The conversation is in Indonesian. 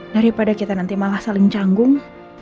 daripada kita nanti malah saling canggung